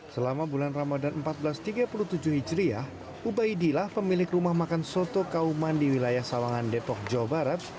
selama bulan ramadan seribu empat ratus tiga puluh tujuh hijriah ubaidillah pemilik rumah makan soto kauman di wilayah sawangan depok jawa barat